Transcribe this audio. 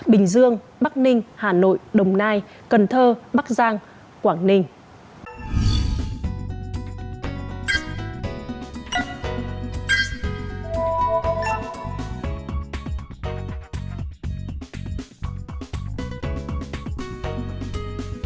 bình dương bắc ninh hà nội đồng nai cần thơ bắc giang quảng ninh